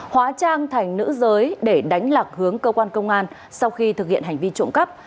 hóa trang thành nữ giới để đánh lạc hướng cơ quan công an sau khi thực hiện hành vi trộm cắp